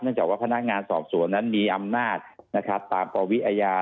เนื่องจากว่าพนักงานสอบส่วนนั้นมีอำนาจตามปวิอาญา